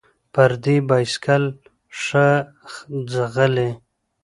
ـ پردى بايسکل ښه ځغلي.